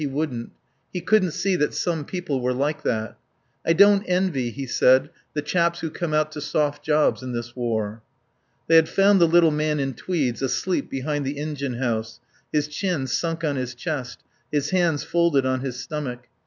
He wouldn't. He couldn't see that some people were like that. "I don't envy," he said, "the chaps who come out to soft jobs in this war." They had found the little man in tweeds asleep behind the engine house, his chin sunk on his chest, his hands folded on his stomach.